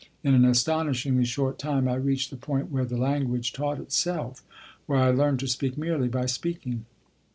In an astonishingly short time I reached the point where the language taught itself where I learned to speak merely by speaking.